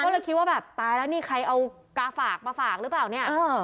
ก็เลยคิดว่าแบบตายแล้วนี่ใครเอากาฝากมาฝากหรือเปล่าเนี่ย